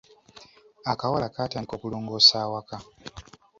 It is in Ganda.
Akawala kaatandika okulongoosa awaka.